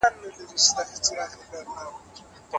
هغه وایي چي د دولت به سته د خوښۍ مرحلې هم وي.